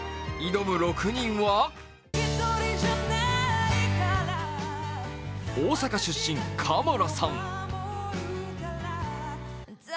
挑む６人は大阪出身、カマラさん。